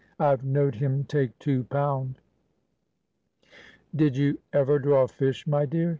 "I've knowed him take two pound." "Did you ever draw fish, my dear?"